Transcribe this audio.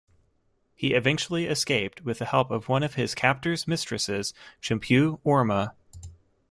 He eventually escaped with the help of one of his captor's mistresses, Chimpu Orma.